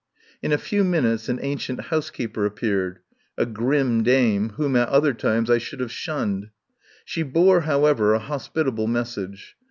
In a few minutes an ancient housekeeper appeared, a grim dame whom at other times I should have shunned. She bore, however, a hospitable message.